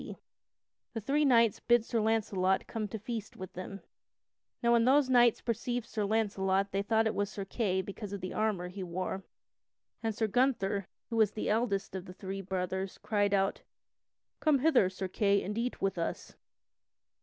[Sidenote: The three knights bid Sir Launcelot come to feast with them] [Sidenote: Sir Launcelot overthrows Sir Gunther] Now when those knights perceived Sir Launcelot they thought it was Sir Kay because of the armor he wore, and Sir Gunther, who was the eldest of the three brothers, cried out: "Come hither, Sir Kay, and eat with us!"